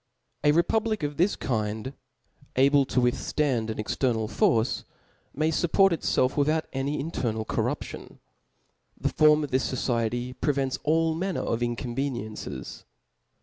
A republic of this kind, able^to withftand an ex ternal force, may fupport itfelf without any inter <3al corruption ; the form of this fociety prevents all manner of incoveniencies.